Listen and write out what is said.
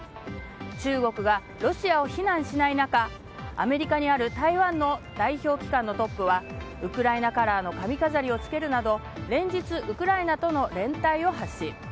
中国がロシアを非難しない中アメリカにある台湾の代表機関のトップはウクライナカラーの髪飾りを付けるなど連日ウクライナとの連帯を発信。